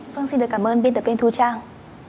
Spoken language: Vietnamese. vâng xin được cảm ơn biên tập viên thu trang